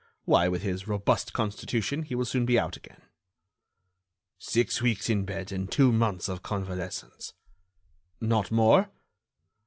Why, with his robust constitution he will soon be out again." "Six weeks in bed and two months of convalescence." "Not more?"